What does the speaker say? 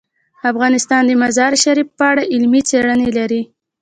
افغانستان د مزارشریف په اړه علمي څېړنې لري.